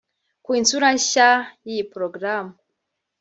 Ku isura nshya y’iyi porogaramu